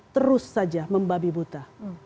terus saja membabi buta